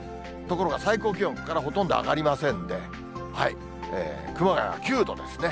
所が最高気温、ここからほとんど上がりませんで、熊谷は９度ですね。